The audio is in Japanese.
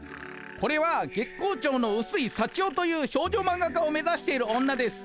これは月光町のうすいさちよという少女マンガ家を目指している女です。